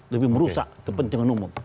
lebih merusak kepentingan umum